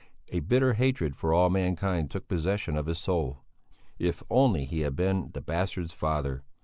A bitter hatred for all mankind took possession of his soul. If only he had been the bastard's father!